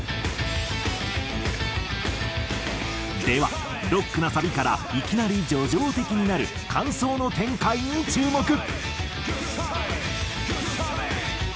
ではロックなサビからいきなり叙情的になる間奏の展開に注目。